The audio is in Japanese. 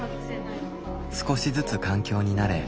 少しずつ環境に慣れ